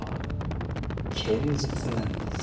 堅実なんです。